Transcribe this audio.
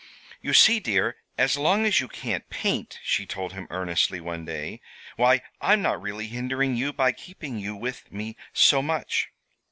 "You see, dear, as long as you can't paint," she told him earnestly, one day, "why, I'm not really hindering you by keeping you with me so much."